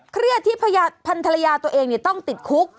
เครียดที่พันธรรยาตัวเองต้องติดคุก